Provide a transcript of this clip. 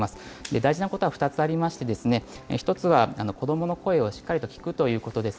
大事なことは２つありまして、１つは子どもの声をしっかりと聞くということです。